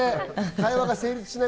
会話が成立しない。